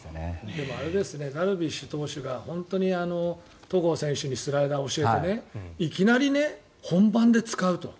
でも、ダルビッシュ投手が戸郷選手にスライダーを教えていきなり本番で使うと。